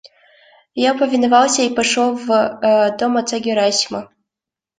Я повиновался и пошел в дом отца Герасима.